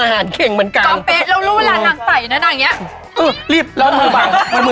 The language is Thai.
อ่าน้ำไม่